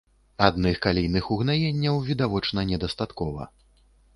Адных калійных угнаенняў відавочна недастаткова.